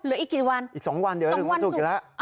หรืออีกกี่วันอีก๒วันเดี๋ยวถึงวันศุกร์